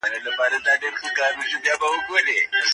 ولي زیارکښ کس د لوستي کس په پرتله لاره اسانه کوي؟